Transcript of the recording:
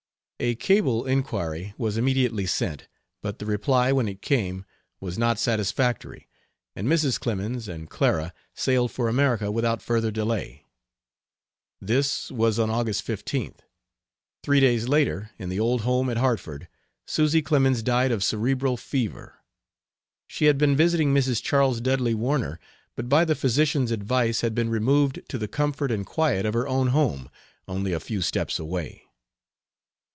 A cable inquiry was immediately sent, but the reply when it came was not satisfactory, and Mrs. Clemens and Clara sailed for America without further delay. This was on August 15th. Three days later, in the old home at Hartford, Susy Clemens died of cerebral fever. She had been visiting Mrs. Charles Dudley Warner, but by the physician's advice had been removed to the comfort and quiet of her own home, only a few steps away.